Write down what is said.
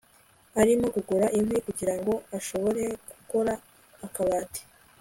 Arimo kugura inkwi kugirango ashobore gukora akabati